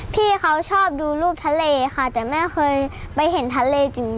พี่เขาชอบดูรูปทะเลค่ะแต่แม่เคยไปเห็นทะเลจริง